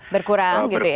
berkurang gitu ya